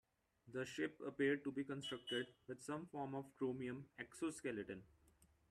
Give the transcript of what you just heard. The ship appeared to be constructed with some form of chromium exoskeleton.